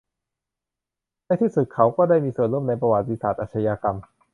ในที่สุดเขาก็ได้มีส่วนร่วมในประวัติศาสตร์อาชญากรรม